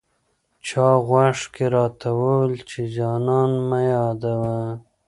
چا غوږ کي راته وويل، چي جانان مه يادوه